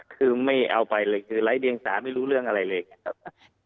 คือไม่เอาไปเลยคือไร้เดียงสาไม่รู้เรื่องอะไรเลยครับ